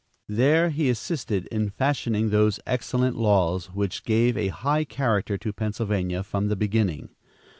There he assisted in fashioning those excellent laws which gave a high character to Pennsylvania from the beginning.